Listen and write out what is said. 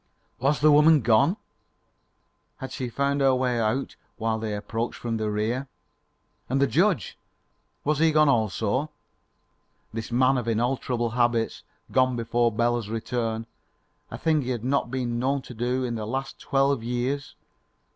Was the woman gone? Had she found her way out front while they approached from the rear? And the judge! Was he gone also? this man of inalterable habits gone before Bela's return a thing he had not been known to do in the last twelve years?